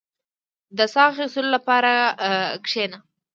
• د ساه اخيستلو لپاره کښېنه.